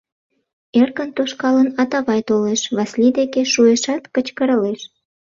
Эркын тошкалын, Атавай толеш, Васлий деке шуэшат, кычкыралеш: